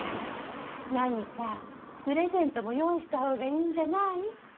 何かプレゼントも用意した方がいいんじゃなぁい？